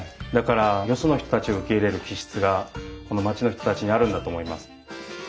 だからよその人たちを受け入れる気質がこの町の人たちにあるんだと思います。